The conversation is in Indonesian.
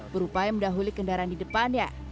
berupaya mendahuli kendaraan di depannya